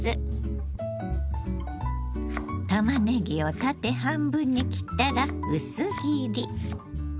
たまねぎを縦半分に切ったら薄切り。